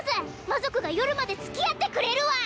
魔族が夜まで付き合ってくれるわ！